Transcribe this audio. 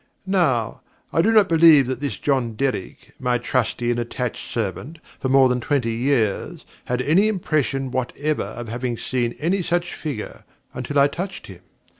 Now, I do not believe that this John Derrick, my trusty and attached servant for more than twenty years, had any impression whatever of having seen any such figure, until I touched him.